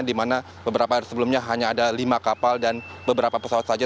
di mana beberapa hari sebelumnya hanya ada lima kapal dan beberapa pesawat saja